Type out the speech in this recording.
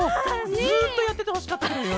ずっとやっててほしかったケロよ。